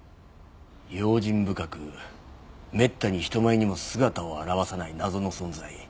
用心深くめったに人前にも姿を現さない謎の存在。